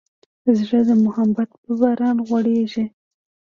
زړه د محبت په باران غوړېږي.